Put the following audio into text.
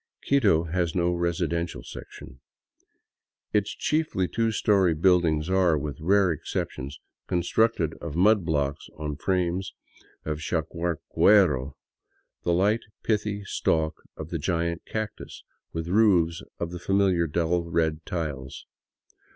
Quito has no residential section. Its chiefly two story buildings are, with rare exceptions, constructed of mud blocks on frames of chagiiar quero, the light, pithy stalk of the giant cactus, with roofs of the famil iar dull red tiles.